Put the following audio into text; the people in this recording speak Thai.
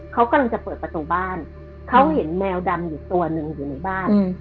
เขากำลังจะเปิดประตูบ้านเขาเห็นแมวดำอยู่ตัวหนึ่งอยู่ในบ้าน